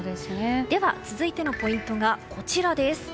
では続いてのポイントがこちら。